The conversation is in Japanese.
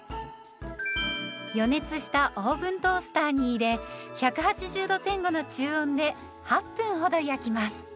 予熱したオーブントースターに入れ１８０度前後の中温で８分ほど焼きます。